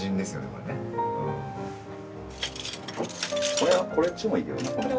これはこっちもいいけどな。